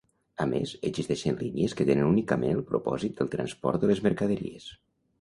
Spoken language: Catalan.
A més, existeixen línies que tenen únicament el propòsit del transport de les mercaderies.